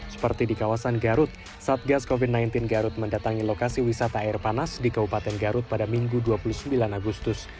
seperti di kawasan garut satgas covid sembilan belas garut mendatangi lokasi wisata air panas di kabupaten garut pada minggu dua puluh sembilan agustus